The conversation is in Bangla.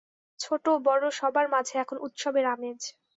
ছোট বড় সবার মাঝে এখন উৎসবের আমেজ।